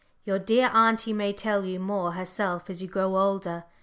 Your dear auntie may tell you more herself as you grow older.